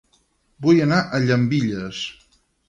Vull anar a Llambilles